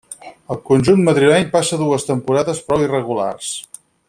Al conjunt madrileny passa dues temporades prou irregulars.